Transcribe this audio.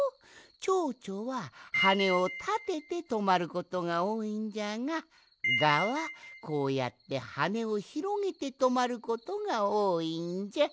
チョウチョははねをたててとまることがおおいんじゃがガはこうやってはねをひろげてとまることがおおいんじゃ。